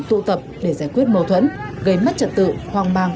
tụ tập để giải quyết mâu thuẫn gây mất trật tự hoang mang